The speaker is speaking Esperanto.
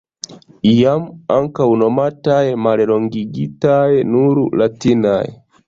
Iam ankaŭ nomataj mallongigite nur "latinaj".